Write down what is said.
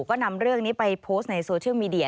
ก็นำเรื่องนี้ไปโพสต์ในโซเชียลมีเดีย